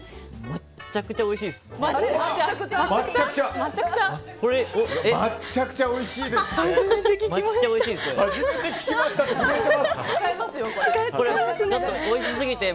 まっちゃくちゃおいしいですって。